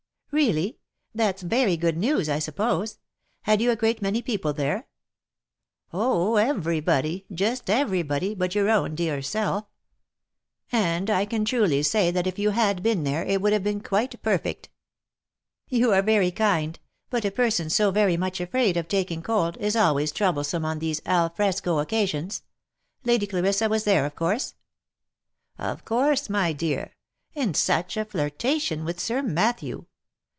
" Really ! That's very good news, I suppose. Had you a great many people there ?" "Oh! Everybody, just every body, but your own dear self; and I can truly say that if you had been there, it would have been quite perfect !"" You are very kind ; but a person so very much afraid of taking cold, is always troublesome on these alfresco occasions. Lady Clarissa was there of course V " Of course, my dear. And such a flirtation with Sir Matthew